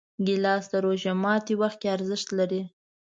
ګیلاس د روژه ماتي وخت کې ارزښت لري.